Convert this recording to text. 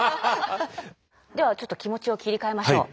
ではちょっと気持ちを切り替えましょう。